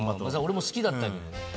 俺も好きだったけどね。